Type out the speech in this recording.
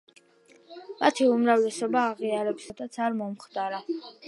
მათი უმრავლესობა აღიარებს, რომ ბრძოლა საერთოდაც არ მომხდარა.